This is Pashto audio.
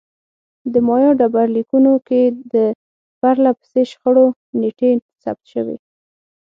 د مایا ډبرلیکونو کې د پرله پسې شخړو نېټې ثبت شوې